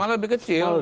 malah lebih kecil